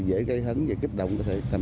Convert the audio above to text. dễ gây hấn và kích động